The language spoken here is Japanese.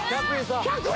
１００円